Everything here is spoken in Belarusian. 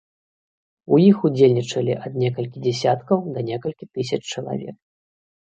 У іх удзельнічалі ад некалькіх дзясяткаў да некалькіх тысяч чалавек.